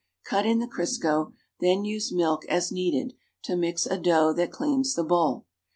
cut in the Criseo, then use milk, as needed, to mi.x to a dough that cleans the bowl.